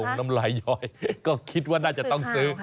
น้ำลายย้อยก็คิดว่าน่าจะต้องซื้อ